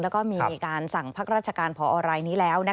แล้วก็มีการสั่งพักราชการพอรายนี้แล้ว